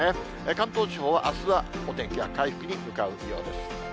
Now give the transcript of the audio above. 関東地方はあすはお天気が回復に向かうようです。